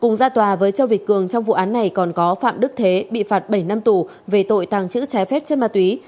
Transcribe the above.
trong gia tòa với châu việt cường trong vụ án này còn có phạm đức thế bị phạt bảy năm tù về tội tàng chữ trái phép trên ma túy